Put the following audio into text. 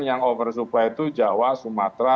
yang oversupply itu jawa sumatera